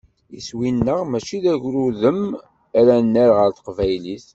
Iswi-nneɣ mačči d agrudem ara nerr ɣer teqbaylit.